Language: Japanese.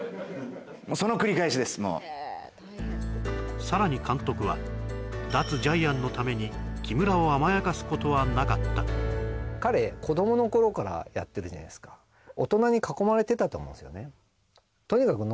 そのもうさらに監督は脱ジャイアンのために木村を甘やかすことはなかった彼子どもの頃からやってるじゃないすか大人に囲まれてたと思うんすよね